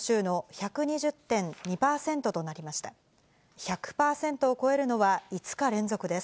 １００％を超えるのは、５日連続です。